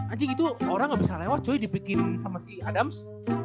anjing itu orang nggak bisa lewat cuma dibikin sama si adams